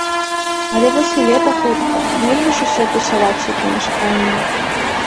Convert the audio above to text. Але вось і лета хутка, нельга ж усё тусавацца ў памяшканні.